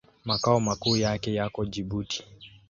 Makao makuu yake yako Jibuti.